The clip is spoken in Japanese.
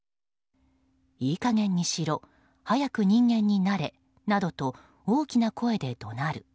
いい加減にしろ早く人間になれなどと大きな声で怒鳴る。